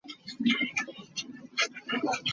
Mitbawm nih hna an ka hnawh.